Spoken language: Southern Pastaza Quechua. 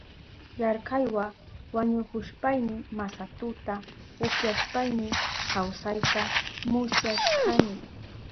Yarkaywa wañuhushpayni masatuta upyashpayni kawsayta musyashkani.